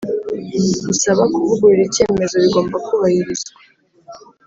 Gusaba kuvugurura icyemezo bigomba kubahirizwa